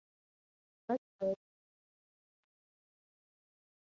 “That’s Barry’s pond,” said Cody.